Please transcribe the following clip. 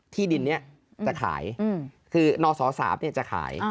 ที่ดินนี้จะขายคือนศ๓จะขาย